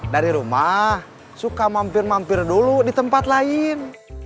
dari rumah suka mampir mampir dulu di tempat lain